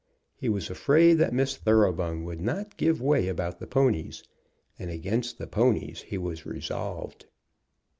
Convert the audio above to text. He was afraid that Miss Thoroughbung would not give way about the ponies; and against the ponies he was resolved.